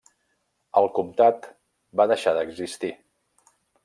El comtat va deixar d'existir.